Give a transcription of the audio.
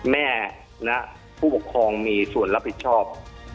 แม่และผู้ปกครองมีส่วนรับผิดชอบ